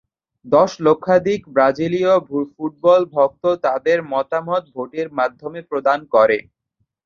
দশ লক্ষাধিক ব্রাজিলীয় ফুটবল ভক্ত তাদের মতামত ভোটের মাধ্যমে প্রদান করে।